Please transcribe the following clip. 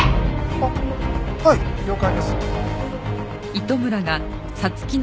あはい了解です。